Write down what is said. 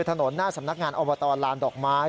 ถนนหน้าสำนักงานอบตลานดอกไม้